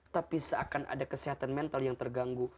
tapi seakan ada kesehatan mental yang terganggu